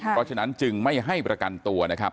เพราะฉะนั้นจึงไม่ให้ประกันตัวนะครับ